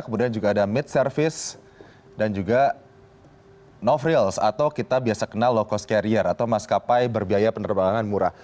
kemudian juga ada mid service dan juga no frills atau kita biasa kenal low cost carrier atau maskapai berbiaya penerbangan murah